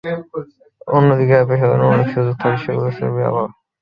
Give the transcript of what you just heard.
অন্যদিকে অ্যাপে সম্পাদনার অনেক সুযোগ থাকে, যেগুলোর সবই তৈরি করা আবহ।